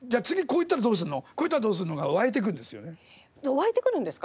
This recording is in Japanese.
湧いてくるんですか？